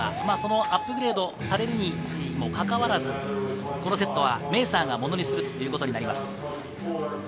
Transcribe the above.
アップグレードされるにもかかわらず、このセットはメーサーがものにするということになります。